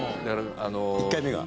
１回目が？